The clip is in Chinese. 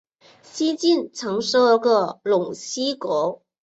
西晋曾设过陇西国。